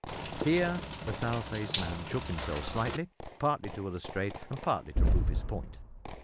Here the sour faced man shook himself slightly, partly to illustrate and partly to prove his point.